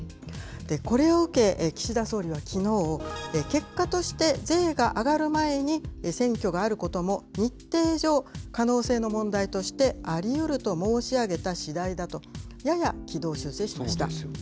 これを受け、岸田総理はきのう、結果として税が上がる前に選挙があることも日程上、可能性の問題としてありうると申し上げたしだいだと、そうですよね。